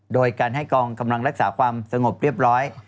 โดยการให้กองกำลังรักษาความสงบเรียบร้อย